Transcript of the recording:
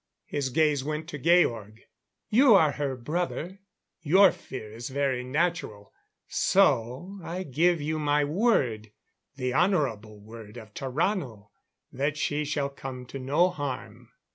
His gaze went to Georg. "You are her brother your fear is very natural. So I give you my word the honorable word of Tarrano that she shall come to no harm."